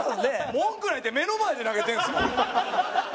「文句ない」って目の前で投げてるんっすもん。